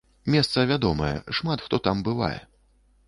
Месца вядомае, шмат хто там бывае.